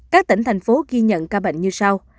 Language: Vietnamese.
các tỉnh thành phố ghi nhận ca bệnh như sau